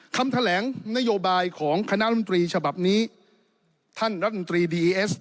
คำแถลงนโยบายของคณะรมตรีฉบับนี้ท่านรัฐมนตรีดีเอส